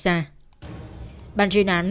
xa bàn truyền án